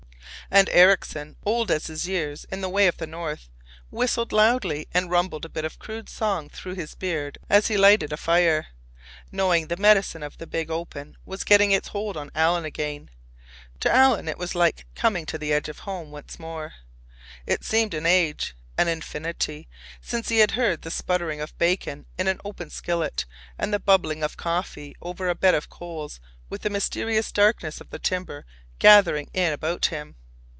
And Ericksen, old as his years in the way of the north, whistled loudly and rumbled a bit of crude song through his beard as he lighted a fire, knowing the medicine of the big open was getting its hold on Alan again. To Alan it was like coming to the edge of home once more. It seemed an age, an infinity, since he had heard the sputtering of bacon in an open skillet and the bubbling of coffee over a bed of coals with the mysterious darkness of the timber gathering in about him.